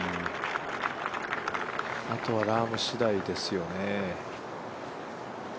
あとはラームしだいですよね。